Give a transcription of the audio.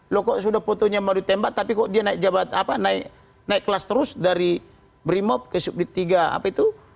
loh kok sudah fotonya mau ditembak tapi kok dia naik kelas terus dari brimob ke subdit tiga apa itu